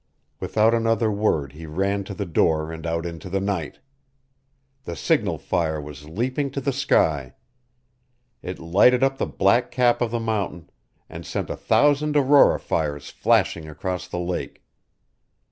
Without another word he ran to the door and out into the night. The signal fire was leaping to the sky. It lighted up the black cap of the mountain, and sent a thousand aurora fires flashing across the lake.